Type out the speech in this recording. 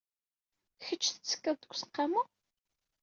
Kecc tettekkaḍ deg useqqamu?